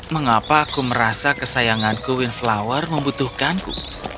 mengapa aku merasa kesayanganku windflower membutuhkanku